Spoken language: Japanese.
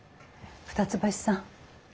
二ツ橋さん。